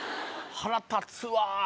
腹立つわ。